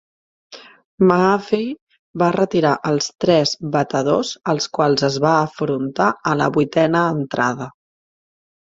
Mahaffey va retirar els tres batedors als quals es va afrontar a la vuitena entrada.